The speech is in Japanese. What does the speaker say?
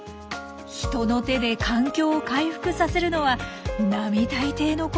人の手で環境を回復させるのは並大抵のことではないんです。